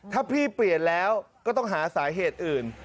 ถ้าพี่เปลี่ยนแล้วก็ต้องหาสาเหตุอื่น